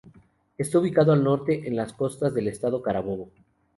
Está ubicado al norte en las costas del Estado Carabobo.